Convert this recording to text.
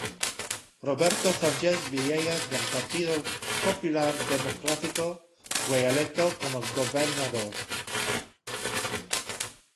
Roberto Sánchez Vilella del Partido Popular Democrático fue electo como Gobernador.